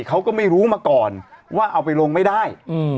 เขาก็ไม่รู้มาก่อนว่าเอาไปลงไม่ได้